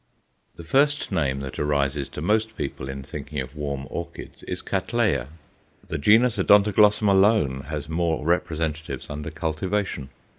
The first name that arises to most people in thinking of warm orchids is Cattleya, and naturally. The genus Odontoglossum alone has more representatives under cultivation.